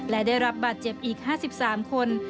และได้รับบาดเจ็บอีก๕๓คน